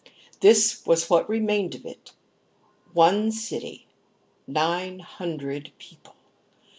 This was what remained of it: one city, nine hundred people.